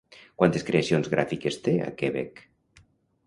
Quantes creacions gràfiques té a Quebec?